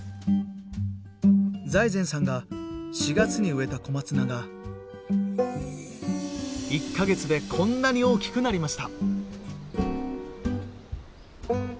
財前さんが４月に植えた小松菜が１か月でこんなに大きくなりました。